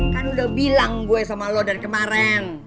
kan udah bilang gue sama lo dari kemarin